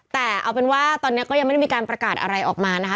แต่เอาเป็นว่าตอนนี้ก็ยังไม่ได้มีการประกาศอะไรออกมานะคะ